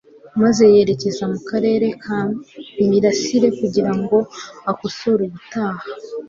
maze yerekeza mu karere ka imirasire kugira ngo akosore ubutaha,